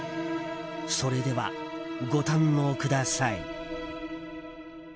それでは、ご堪能ください。